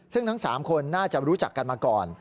ซึ่งทั้ง๓คนน่าจะรู้จักกันมาก่อน